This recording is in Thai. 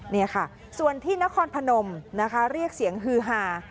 นี่ค่ะส่วนที่นครพนมนะคะเรียกเสียงฮือฮา